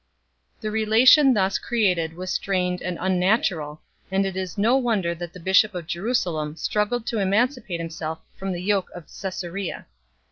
The relation thus created was strained and unnatural, and it is no wonder that the bishop of Jerusalem struggled to emancipate himself from the yoke of Cassarea.